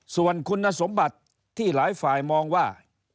ส่วนคุณสมบัติที่หลายฝ่ายมองว่า